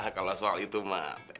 kalau soal itu mah beres